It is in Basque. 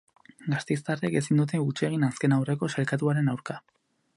Gasteiztarrek ezin dute huts egin azken aurreko sailkatuaren aurka.